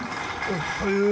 おはよう。